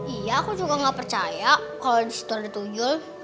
iya aku juga gak percaya kalau disitu ada tuyul